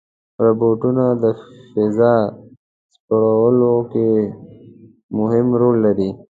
روبوټونه د فضا سپړلو کې مهم رول لري.